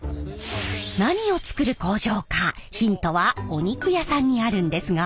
何を作る工場かヒントはお肉屋さんにあるんですが。